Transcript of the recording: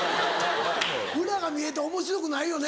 裏が見えておもしろくないよね。